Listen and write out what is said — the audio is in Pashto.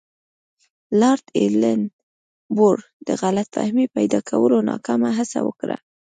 لارډ ایلن برو د غلط فهمۍ پیدا کولو ناکامه هڅه وکړه.